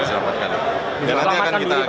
selamatkan diri pak